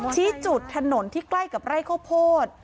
ชี้จุดถนนที่ใกล้กับไร่ข้าวโพด